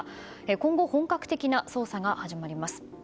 今後、本格的な捜査が始まります。